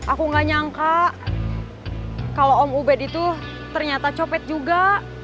aku gak nyangka kalau om ubed itu ternyata copet juga